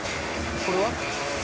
これは？